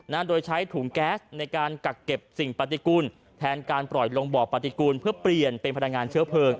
โดยใช้ถุงแก๊สในการกักเก็บสิ่งปฏิกูลแทนการปล่อยลงบ่อปฏิกูลเพื่อเปลี่ยนเป็นพลังงานเชื้อเพลิง